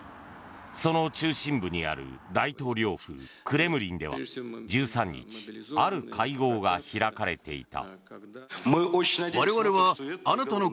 その中心部にある大統領府クレムリンでは１３日ある会合が開かれていた。